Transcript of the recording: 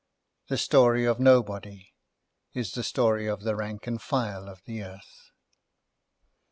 The story of Nobody is the story of the rank and file of the earth.